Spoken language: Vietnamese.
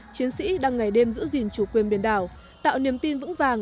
chiến sĩ đang ngày đêm giữ gìn chủ quyền biển đảo tạo niềm tin vững vàng